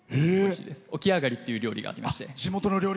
おきあがりっていう料理がありまして。